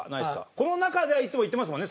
この中ではいつも言ってますもんね。